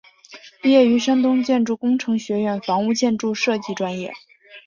毕业于山东建筑工程学院房屋建筑设计专业。